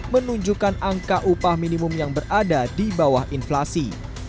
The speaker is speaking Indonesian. menunjukkan angka upah minimum yang berada di bawah inflasi